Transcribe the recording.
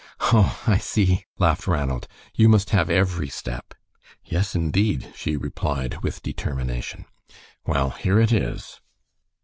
"Oh, I see," laughed Ranald. "You must have every step." "Yes, indeed," she replied, with determination. "Well, here it is."